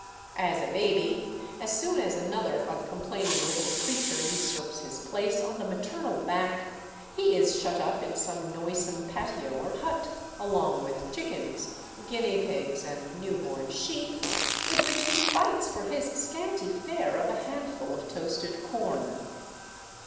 As a baby, as soon as another uncomplaining little creature usurps his place on the maternal back, he is shut up in some noisome patio or hut, along with chickens, guinea pigs, and new born sheep, with which he fights for his scanty fare of a handful of toasted corn.